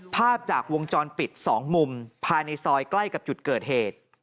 ภาพจากวงจรปิด๒มุมภายในซอยใกล้กับจุดเกิดเหตุ